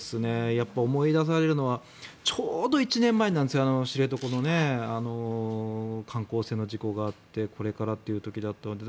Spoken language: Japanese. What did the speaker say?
やっぱり思い出されるのはちょうど１年前なんですが知床の観光船の事故があってこれからという時だったので。